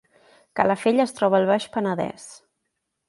Calafell es troba al Baix Penedès